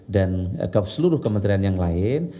dan seluruh kementerian yang lain